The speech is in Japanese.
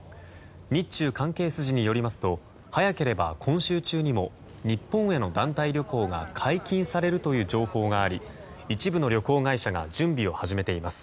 日中関係筋によりますと早ければ今週中にも日本への団体旅行が解禁されるという情報があり一部の旅行会社が準備を始めています。